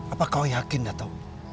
apakah kau yakin dato'